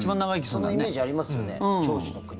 そんなイメージありますよね、長寿の国。